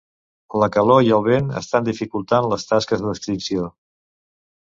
La calor i el vent estan dificultant les tasques d’extinció.